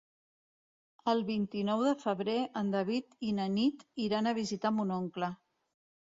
El vint-i-nou de febrer en David i na Nit iran a visitar mon oncle.